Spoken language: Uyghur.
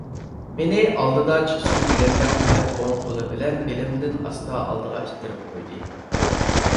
مېنى ئالدىدا چىقسۇن دېگەندەك قىلىپ ئوڭ قولى بىلەن بېلىمدىن ئاستا ئالدىغا ئىتتىرىپ قويدى.